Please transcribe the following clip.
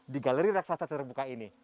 di galeri raksasa terbuka ini